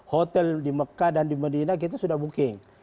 hotel di mekah dan di medina kita sudah booking